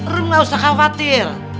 rumi gak usah khawatir